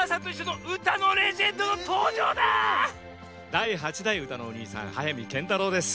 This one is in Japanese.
だい８だいうたのおにいさん速水けんたろうです。